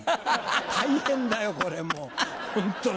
大変だよこれもうホントに。